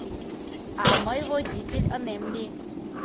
А мый водитель ынем лий.